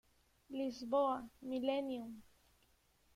Lisboa: Millenium.